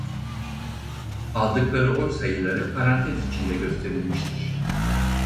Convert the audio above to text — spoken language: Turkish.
Aldıkları oy sayıları parantez içinde gösterilmiştir.